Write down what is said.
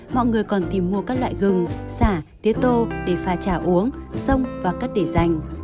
mọi người còn tìm mua các loại gừng xả tế tô để pha trà uống sông và cắt để dành